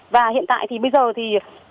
và hiện tại thì bây giờ thì